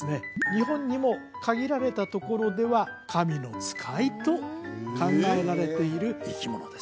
日本にも限られたところでは神の使いと考えられている生き物です